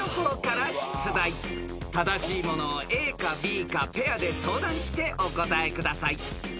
［正しいものをＡかＢかペアで相談してお答えください］